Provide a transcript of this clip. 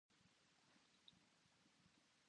チョコレートはミルクが美味しいです